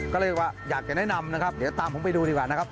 ก็เลยว่าอยากจะแนะนำนะครับเดี๋ยวตามผมไปดูดีกว่านะครับ